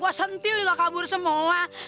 wah sentil juga kabur semua